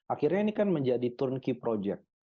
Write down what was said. akhirnya ini kan menjadi turnkey project